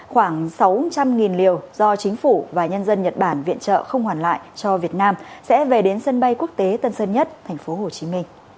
khoảng sáu trăm linh liều do chính phủ và nhân dân nhật bản viện trợ không hoàn lại cho việt nam sẽ về đến sân bay quốc tế tân sơn nhất tp hcm